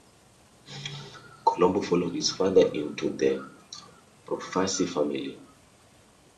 Colombo followed his father into the Profaci family.